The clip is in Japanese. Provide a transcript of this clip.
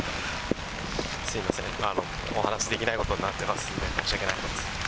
すみません、お話できないことになっていますんで、申し訳ないです。